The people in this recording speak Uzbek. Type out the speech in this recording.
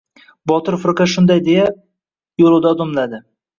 Botir firqa shunday deya, yo‘lida odimladi.